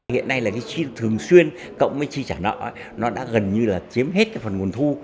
hiện nay là cái chi thường xuyên cộng với chi trả nợ nó đã gần như là chiếm hết cái phần nguồn thu